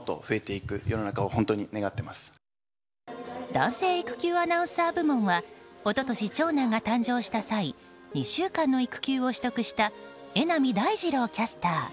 男性育休アナウンサー部門は一昨年、長男が誕生した際２週間の育休を取得した榎並大二郎キャスター。